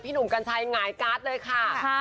หนุ่มกัญชัยหงายการ์ดเลยค่ะ